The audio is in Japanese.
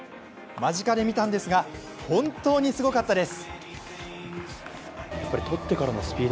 間近で見たんですが、本当にすごかったです。